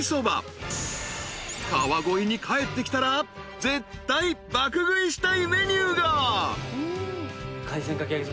［川越に帰ってきたら絶対爆食いしたいメニューが］